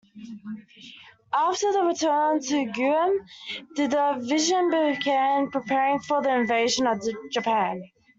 After the return to Guam, the division began preparing for the invasion of Japan.